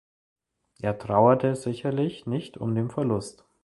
Er trauerte sicherlich nicht um den Verlust.